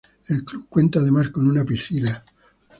El club cuenta además con una piscina.